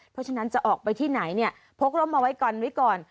เพราะฉะนั้นจะออกไปที่ไหนเนี่ยพกร่มเอาไว้ก่อนไว้ก่อน